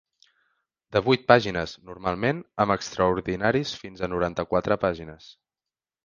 De vuit pàgines, normalment, amb extraordinaris fins a noranta-quatre pàgines.